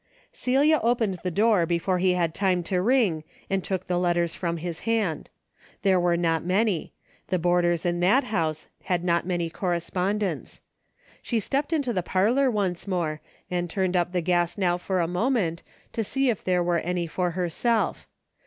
Celia opened the door before he had time to ring and took the letters from his hand. There were not many. The boarders in that house had not many correspondents. She stepped into the parlor once more, and turned up the gas now for a moment to see if there were any for herself.